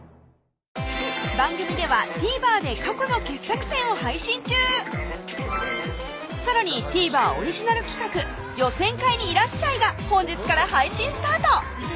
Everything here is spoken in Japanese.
番組ではさらにＴＶｅｒオリジナル企画「予選会にいらっしゃい！」が本日から配信スタート